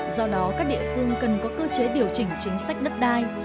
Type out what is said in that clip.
do đó các địa phương cần có cơ chế điều chỉnh chính sách đất đai